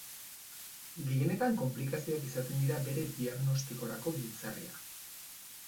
Gehienetan konplikazioak izaten dira bere diagnostikorako giltzarria.